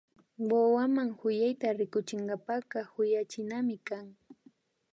Wawaman kuyayta rikuchinkapaka kuyachinami kan